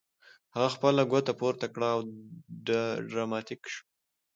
هغه خپله ګوته پورته کړه او ډراماتیک شو